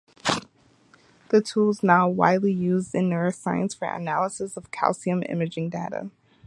This tool is now widely used in neuroscience for analysis of calcium imaging data.